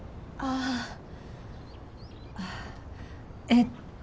あえっと